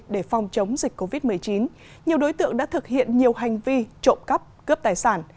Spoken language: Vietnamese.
để phòng chống dịch covid một mươi chín nhiều đối tượng đã thực hiện nhiều hành vi trộm cắp cướp tài sản